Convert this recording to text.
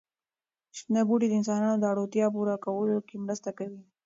شنه بوټي د انسانانو د اړتیاوو پوره کولو کې مرسته کوي.